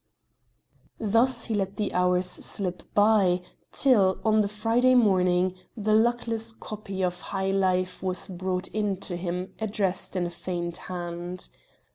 Thus he let the hours slip by, till, on the Friday morning, the luckless copy of 'High Life' was brought into him addressed in a feigned hand.